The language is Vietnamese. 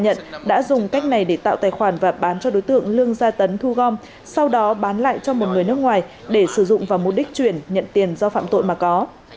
khai nhận đã dùng cách này để tạo tài khoản và bán cho đối tượng lương gia tấn thu gom sau đó bán lại cho một người nước ngoài để sử dụng vào mục đích chuyển nhận tiền do phạm tội mà có